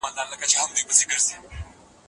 احمدشاه بابا په جګړه کې ډېرې تجربې لرلې.